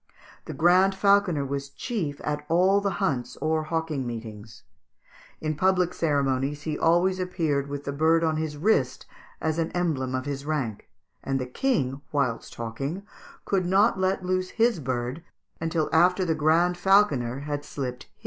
The Grand Falconer was chief at all the hunts or hawking meetings; in public ceremonies he always appeared with the bird on his wrist, as an emblem of his rank; and the King, whilst hawking, could not let loose his bird until after the Grand Falconer had slipped his.